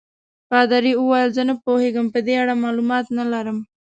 پادري وویل: زه نه پوهېږم، په دې اړه معلومات نه لرم.